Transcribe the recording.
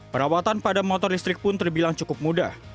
perawatan pada motor listrik pun terbilang cukup mudah